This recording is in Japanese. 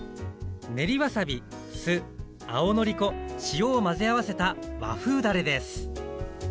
練りわさび酢青のり粉塩を混ぜ合わせた和風だれです